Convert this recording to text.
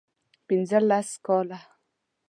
پنځه لس کاله